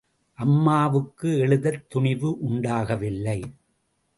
அம்மாவுக்கு எழுதத் துணிவு உண்டாகவில்லை.